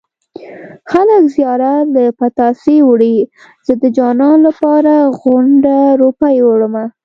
خلک زيارت له پتاسې وړي زه د جانان لپاره غونډه روپۍ وړمه